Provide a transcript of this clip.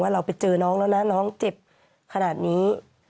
เราไปเจอน้องแล้วนะน้องเจ็บขนาดนี้